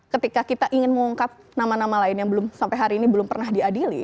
ketika kita ingin mengungkap nama nama lain yang belum sampai hari ini belum pernah diadili